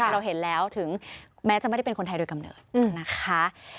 เราเห็นแล้วถึงแม้จะไม่ได้เป็นคนไทยโดยกำเนิดนะคะ